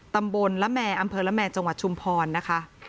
ตำบลละแมร์อำเภอละแมร์จังหวัดชุมพรนะคะ